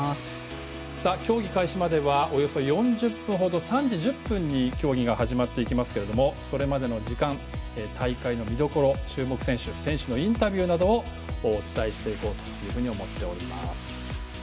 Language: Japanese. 競技開始まではおよそ４０分程３時１０分に競技が始まっていきますがそれまでの時間大会の見どころ、注目選手選手のインタビューなどをお伝えしていこうと思っております。